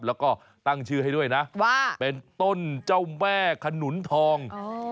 แล้วก็ตั้งชื่อให้ด้วยนะว่าเป็นต้นเจ้าแม่ขนุนทอง